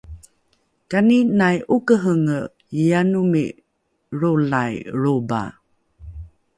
Kani nai 'okehenge iyanomi lrolai lroba?